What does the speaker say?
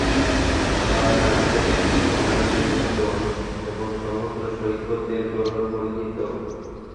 নারাগানসেট গ্রীষ্মকালীন বিনোদন এবং সমুদ্র সৈকতের জন্য পরিচিত।